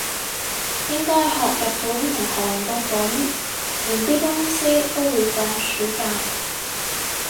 應該學日本同韓國噉，連啲公司都會放暑假